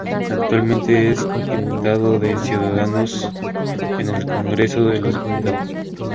Actualmente, es diputado de Ciudadanos en el Congreso de los Diputados.